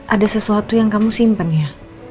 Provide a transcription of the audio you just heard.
ada sesuatu yang kamu simpen ya